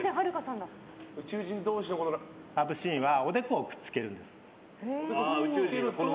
宇宙人同士のラブシーンはおでこをくっつけるんです。